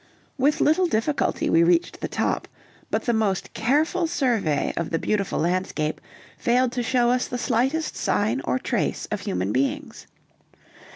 With little difficulty we reached the top, but the most careful survey of the beautiful landscape failed to show us the slightest sign or trace of human beings.